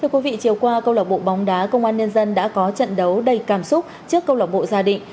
công an nhân dân đã có trận đấu đầy cảm xúc trước công an gia đình